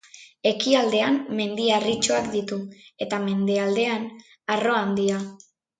Ekialdean Mendi Harritsuak ditu, eta mendebaldean Arro Handia.